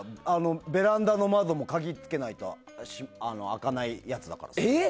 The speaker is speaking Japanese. ベランダの窓も鍵じゃないと開かないやつだから。